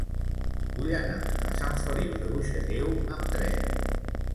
Vull anar a Sant Feliu de Buixalleu amb tren.